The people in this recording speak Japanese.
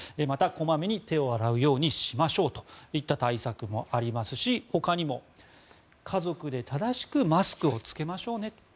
また、こまめに手を洗うようにしましょうといった対策もありますしまた、家族で正しくマスクを着けましょうね。